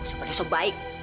aku sempat nesok baik